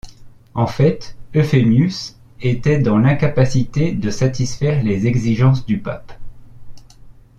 En fait, Euphémius était dans l'incapacité de satisfaire les exigences du pape.